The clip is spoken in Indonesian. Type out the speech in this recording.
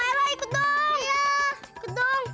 iya ikut dong